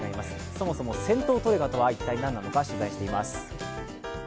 そもそも銭湯トレカとは一体何なのか取材しています。